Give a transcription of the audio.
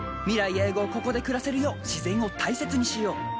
永劫ここで暮らせるよう自然を大切にしよう。